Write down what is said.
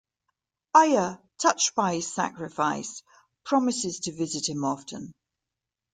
Aya, touched by his sacrifice, promises to visit him often.